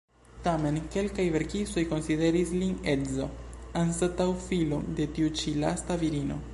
Tamen, kelkaj verkistoj konsideris lin edzo, anstataŭ filo, de tiu ĉi lasta virino.